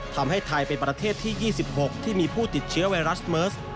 ทำให้ไทยเป็นประเทศที่๒๖ที่มีผู้ติดเชื้อไวรัสเมิร์ส